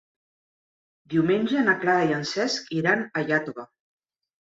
Diumenge na Clara i en Cesc iran a Iàtova.